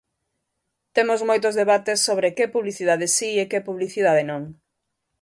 Temos moitos debates sobre que publicidade si e que publicidade non.